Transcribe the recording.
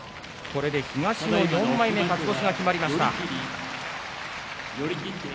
これで東の４枚目で勝ち越しが決まりました。